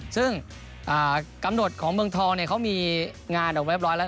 ซึ่งกำหนดของเมืองทองเขามีงานออกเรียบร้อยแล้ว